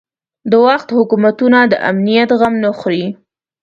د وخت حکومتونه د امنیت غم نه خوري.